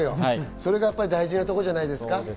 それが大事なところじゃないですか？